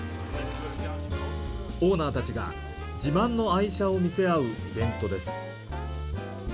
オーナーたちが自慢の愛車を見せ合うイベントです。